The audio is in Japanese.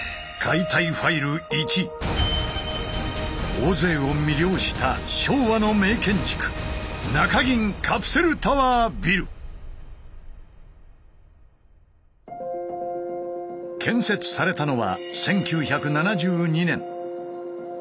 大勢を魅了した昭和の名建築建設されたのは１９７２年。